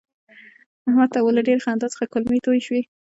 احمد ته مو له ډېرې خندا څخه کولمې توی شوې.